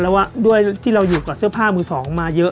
แล้วว่าด้วยที่เราอยู่กับเสื้อผ้ามือสองมาเยอะ